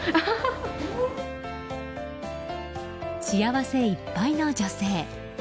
幸せいっぱいの女性。